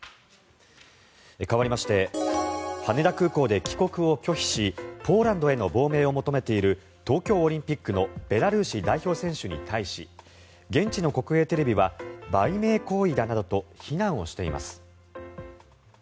かわりまして羽田空港で帰国を拒否しポーランドへの亡命を求めている東京オリンピックのベラルーシ代表選手に対し現地の国営テレビは売名行為だなどと非難しています。